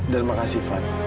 dan makasih fad